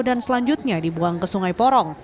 dan selanjutnya dibuang ke sungai porong